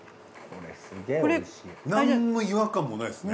何の違和感もないですね。